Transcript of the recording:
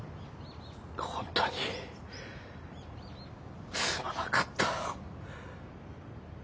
本当にすまなかった。